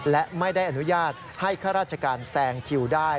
และไม่ได้อนุญาตให้ข้าราชการแซงคิวได้